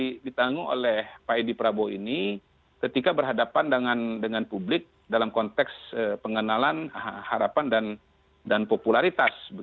yang ditanggung oleh pak edi prabowo ini ketika berhadapan dengan publik dalam konteks pengenalan harapan dan popularitas